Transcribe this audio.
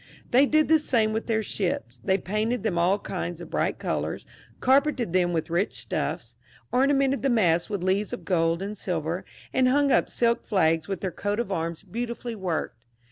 They did the same with their ships ; they painted them all kinds of bright colours, car peted them with rich stuffs, ornamented the masts with leaves of gold and silver, and hung up silk flags with their coats of arms beautifully worked.